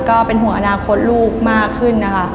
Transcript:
ก็เป็นห่วงอนาคตลูกมากขึ้นนะคะ